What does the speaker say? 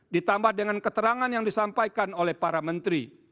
ditambah dengan keterangan yang disampaikan oleh para menteri